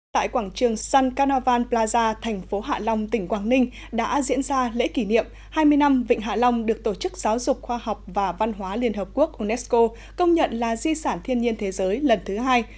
tại quảng trường sun canavan plaza thành phố hạ long tỉnh quảng ninh đã diễn ra lễ kỷ niệm hai mươi năm vịnh hạ long được tổ chức giáo dục khoa học và văn hóa liên hợp quốc unesco công nhận là di sản thiên nhiên thế giới lần thứ hai